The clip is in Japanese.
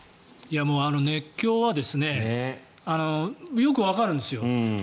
あの熱狂はよくわかるんですよ。